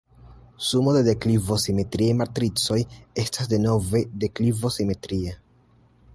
Sumo de deklivo-simetriaj matricoj estas denove deklivo-simetria.